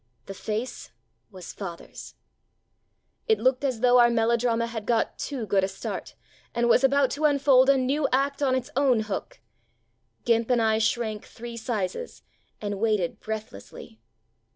The face was father's ! It looked as tho our melodrama had got too good a start, and was about to unfold a new act on its own hook. "Gimp" and 1 shrank three sizes, and waited breath lessly.